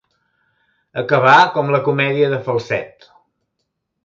Acabar com la comèdia de Falset.